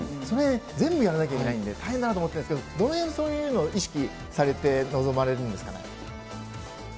それ、全部やらなきゃいけないんで大変だなと思ってるんですけど、どのへんで、そういうの意識されて臨まれるんですかね。